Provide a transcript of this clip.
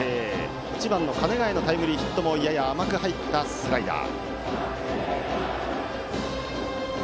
１番、鐘ヶ江のタイムリーヒットもやや甘く入ったスライダー。